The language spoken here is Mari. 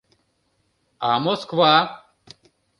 А Москва?